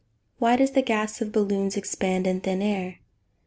_Why does the gas of balloons expand in thin air?